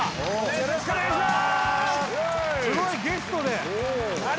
よろしくお願いします